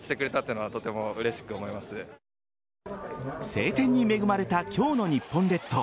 晴天に恵まれた今日の日本列島。